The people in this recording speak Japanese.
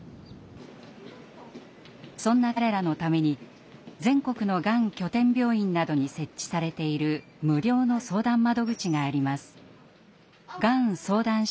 そんな彼らのために全国のがん拠点病院などに設置されている無料の相談窓口があります。